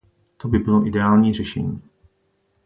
To by bylo ideální řešení.